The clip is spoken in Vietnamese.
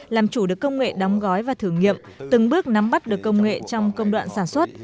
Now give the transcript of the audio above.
làm chủ được công nghệ đóng gói và thử nghiệm từng bước nắm bắt được công nghệ trong công đoạn sản xuất